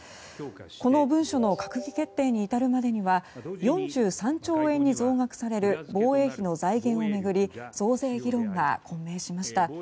この文書の閣議決定に至るまでには４３兆円に増額される防衛費の財源を巡り増税議論が混迷しました。